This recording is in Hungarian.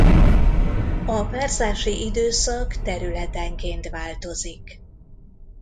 A párzási időszak területenként változik.